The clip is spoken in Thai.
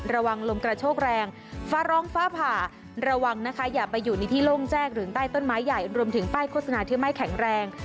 ระวังลมกระโชกแรงฟ้าร้องฟ้าผ่าระวังนะคะอย่าไปอยู่ในที่โล่งแจ้งหรือใต้ต้นไม้ใหญ่รวมถึงป้ายโฆษณาที่ไม่แข็งแรง